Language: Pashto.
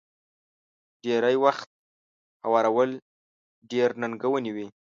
ډېری وخت يې هوارول ډېر ننګوونکي وي.